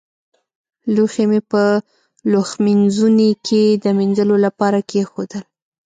لوښي مې په لوښمینځوني کې د مينځلو لپاره کېښودل.